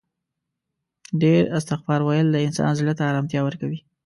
ډیر استغفار ویل د انسان زړه ته آرامتیا ورکوي